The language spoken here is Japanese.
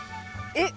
えっ？